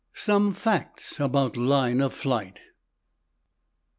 SOME FACTS ABOUT LINE OF FLIGHT.